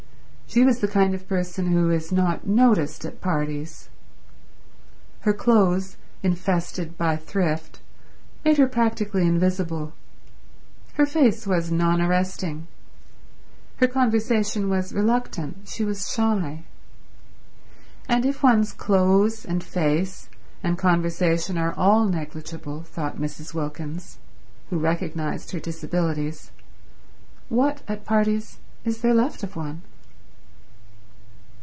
She was the kind of person who is not noticed at parties. Her clothes, infested by thrift, made her practically invisible; her face was non arresting; her conversation was reluctant; she was shy. And if one's clothes and face and conversation are all negligible, thought Mrs. Wilkins, who recognized her disabilities, what, at parties, is there left of one?